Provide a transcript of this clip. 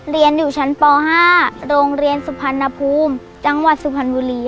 เรียนอยู่ชั้นป๕โรงเรียนสุพรรณภูมิจังหวัดสุพรรณบุรี